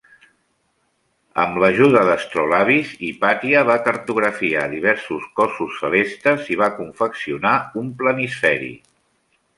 Amb ajuda d'astrolabis Hipàtia va cartografiar diversos cossos celestes i va confeccionar un planisferi.